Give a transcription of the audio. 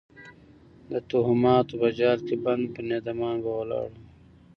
د توهماتو په جال کې بند بنیادمان به ولاړ وو.